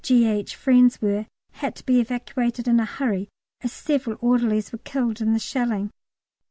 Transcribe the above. G.H. friends were, had to be evacuated in a hurry, as several orderlies were killed in the shelling.